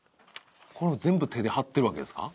これ全部手で貼ってるわけですか？